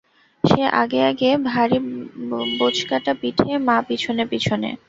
সে আগে আগে ভারী বোঁচকাটা পিঠে, মা পিছনে পিছনে।